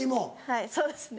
はいそうですね。